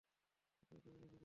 সেটাই ত বলছিলাম।